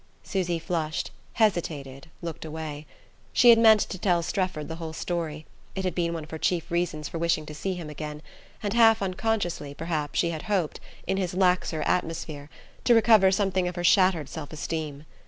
Susy flushed, hesitated, looked away. She had meant to tell Strefford the whole story; it had been one of her chief reasons for wishing to see him again, and half unconsciously, perhaps, she had hoped, in his laxer atmosphere, to recover something of her shattered self esteem.